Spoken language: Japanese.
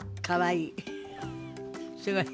かわいい。